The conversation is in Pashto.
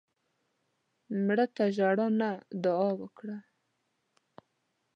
مړه ته ژړا نه، دعا وکړه